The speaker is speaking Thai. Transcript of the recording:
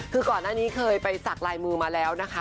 คือก่อนหน้านี้เคยไปสักลายมือมาแล้วนะคะ